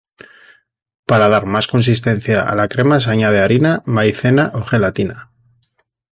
Para dar más consistencia a la crema se añade harina, maicena o gelatina.